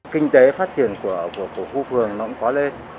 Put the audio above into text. kinh tế phát triển của khu phường nó cũng quá lên